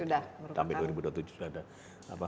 sudah sampai dua ribu dua puluh tujuh sudah ada